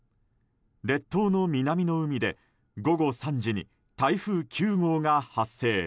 列島の南の海で午後３時に台風９号が発生。